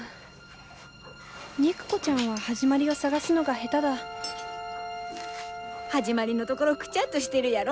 肉子ちゃんは始まりを探すのが下手だ始まりのところくちゃっとしてるやろ？